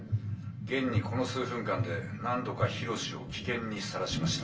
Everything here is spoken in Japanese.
現にこの数分間で何度か緋炉詩を危険にさらしました」。